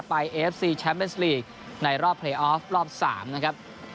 เอฟซีแชมป์เป็นสลีกในรอบเพลย์ออฟรอบ๓นะครับ